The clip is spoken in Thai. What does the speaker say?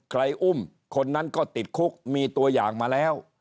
อุ้มคนนั้นก็ติดคุกมีตัวอย่างมาแล้ว